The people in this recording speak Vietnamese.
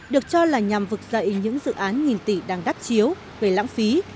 được cho là nhằm vực dậy những dự án nghìn tỷ đang đắt chiếu về lãng phí